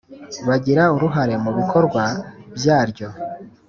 bagira uruhare mu bikorwa byaryo